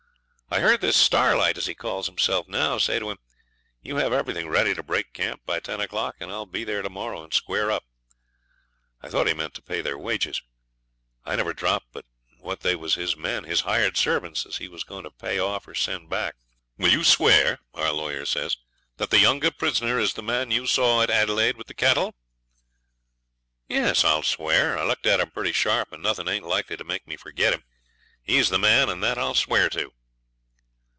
I heard this Starlight, as he calls hisself now, say to him, "You have everything ready to break camp by ten o'clock, and I'll be there to morrow and square up." I thought he meant to pay their wages. I never dropped but what they was his men his hired servants as he was going to pay off or send back.' 'Will you swear,' our lawyer says, 'that the younger prisoner is the man you saw at Adelaide with the cattle?' 'Yes; I'll swear. I looked at him pretty sharp, and nothing ain't likely to make me forget him. He's the man, and that I'll swear to.'